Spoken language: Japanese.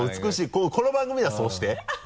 そうこの番組ではそうして。